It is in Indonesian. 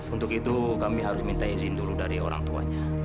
untuk itu kami harus minta izin dulu dari orang tuanya